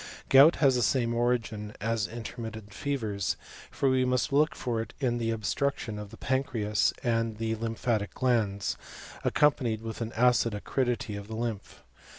Gout has the same origin as intermittent fevers, for we must look for it in the obstruction of the pancreas and the lymphatic glands, accompanied with an acid acridity of the lymph.